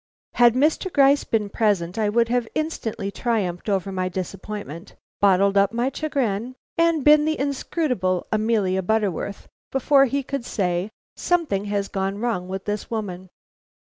Had Mr. Gryce been present, I would have instantly triumphed over my disappointment, bottled up my chagrin, and been the inscrutable Amelia Butterworth before he could say, "Something has gone wrong with this woman!"